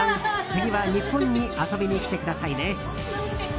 次は日本に遊びに来てくださいね。